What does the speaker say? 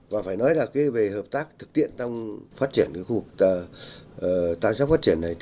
và phải nói là về hợp tác thực tiễn trong phát triển khu vực tam giác phát triển này